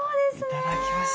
いただきます。